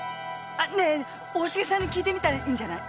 あっねえ大重さんに聞いてみたらいいんじゃない？